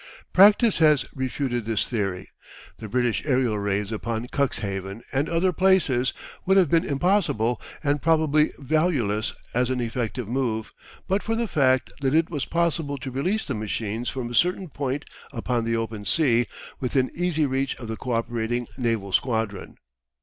Practice has refuted this theory. The British aerial raids upon Cuxhaven and other places would have been impossible, and probably valueless as an effective move, but for the fact that it was possible to release the machines from a certain point upon the open sea, within easy reach of the cooperating naval squadron.